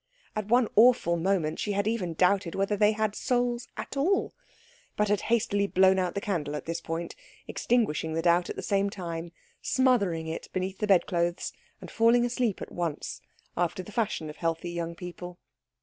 At one awful moment she had even doubted whether they had souls at all, but had hastily blown out the candle at this point, extinguishing the doubt at the same time, smothering it beneath the bedclothes, and falling asleep at once, after the fashion of healthy young people.